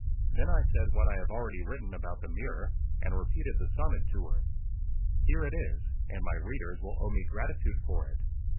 Then I said what I have already written about the mirror, and repeated the sonnet to her. Here it is, and my readers will owe me gratitude for it.